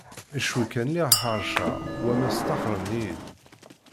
Cwi kan lliɣ ḥerceɣ wamma staxren-iyi-d.